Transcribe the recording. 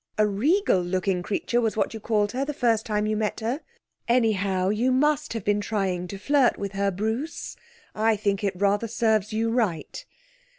A regal looking creature was what you called her the first time you met her. Anyhow, you must have been trying to flirt with her, Bruce. I think it rather serves you right.